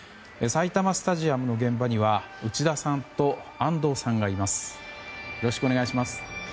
埼玉スタジアムの現場には内田さんと安藤さんがいます。